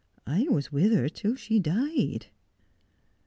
I was with her till she died.'